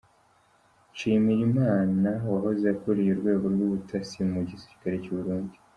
Nshimirimana wahoze akuriye urwego rw’Ubutasi mu gisirikare cy’u Burundi.